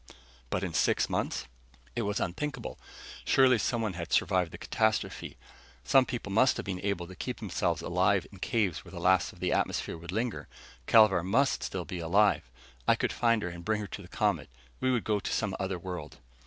But in six months? It was unthinkable. Surely someone had survived the catastrophe. Some people must have been able to keep themselves alive in caves where the last of the atmosphere would linger. Kelvar must be still alive. I could find her and bring her to the Comet. We would go to some other world.